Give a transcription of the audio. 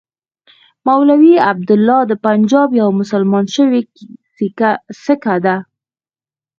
مولوي عبیدالله د پنجاب یو مسلمان شوی سیکه دی.